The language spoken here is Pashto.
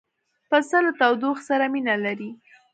پسه له تودوخې سره مینه لري.